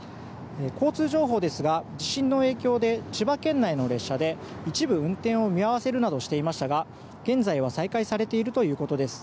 交通情報ですが、地震の影響で千葉県内の列車で一部運転を見合わせるなどしていましたが現在は再開されているということです。